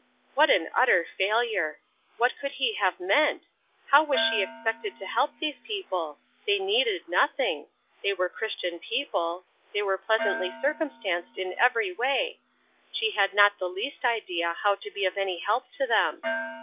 What an utter failure! What could he have meant? How was she expected to help those people? They needed nothing; they were Christian people; they were pleasantly circumstanced in every way. She had not the least idea how to be of any help to them.